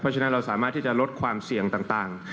เพราะฉะนั้นเราสามารถที่จะลดความเสี่ยงต่าง